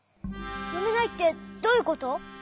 よめないってどういうこと？